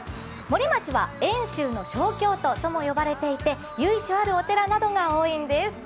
森町は遠州の小京都とも呼ばれていて由緒あるお寺などが多いんです。